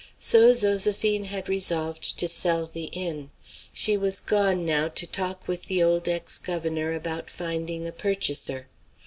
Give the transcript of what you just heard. So Zoséphine had resolved to sell the inn. She was gone, now, to talk with the old ex governor about finding a purchaser.